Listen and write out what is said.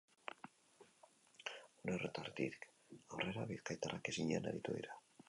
Une horretatik aurrera bizkaitarrak ezinean aritu dira.